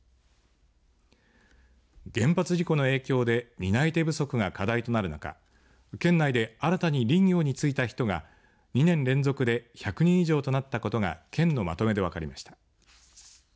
原発事故の影響で担い手不足が課題となる中県内で新たに林業に就いた人が２年連続で１００人以上となったことが県のまとめで分かりました。